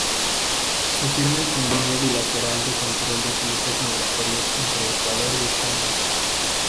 Se firma el Convenio Bilateral de control de flujos migratorios entre Ecuador y España.